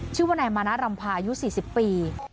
ชื่อว่านายมานะรำพายุ๔๐ปี